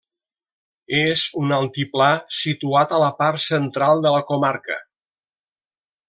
És en un altiplà situat a la part central de la comarca.